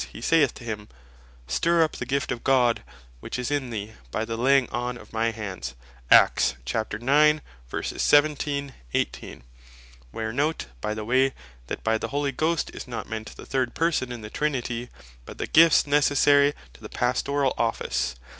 he saith to him, "Stirre up the gift of God which is in thee, by the Laying on of my Hands:" where note by the way, that by the Holy ghost, is not meant the third Person in the Trinity, but the Gifts necessary to the Pastorall Office.